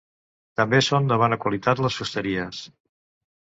També són de bona qualitat les fusteries.